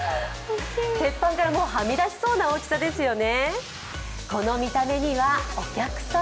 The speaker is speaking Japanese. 鉄板からもはみ出しそうな大きさですよね。